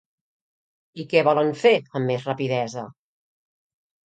I què volen fer amb més rapidesa?